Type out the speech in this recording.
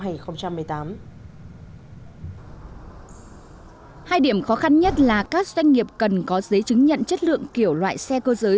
hai điểm khó khăn nhất là các doanh nghiệp cần có giấy chứng nhận chất lượng kiểu loại xe cơ giới